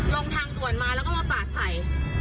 ลงทางด่วนมาแล้วก็มาปาดใส่